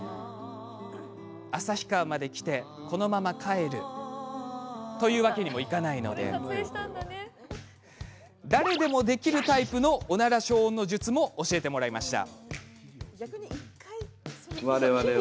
旭川まで来て、このまま帰るというわけにも、いかないので誰でもできるタイプのおなら消音の術を教えてもらいました。